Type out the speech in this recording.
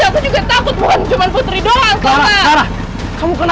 kuat twice dulu ya